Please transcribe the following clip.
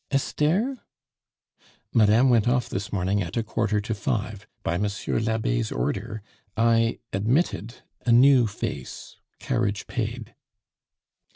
"Esther?" "Madame went off this morning at a quarter to five. By Monsieur l'Abbe's order, I admitted a new face carriage paid."